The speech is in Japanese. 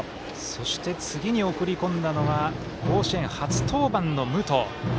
そして次に送り込んだのは甲子園初登板の武藤。